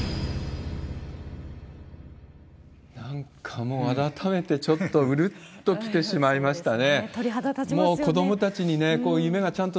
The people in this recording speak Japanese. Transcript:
なんかもう、改めてちょっとうるっときてしまいましたね。